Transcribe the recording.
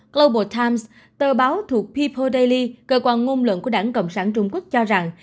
global times tờ báo thuộc pipo daily cơ quan ngôn luận của đảng cộng sản trung quốc cho rằng